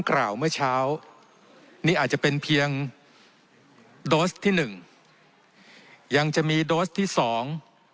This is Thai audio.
กล่าวเมื่อเช้านี่อาจจะเป็นเพียงโดสที่หนึ่งยังจะมีโดสที่สอง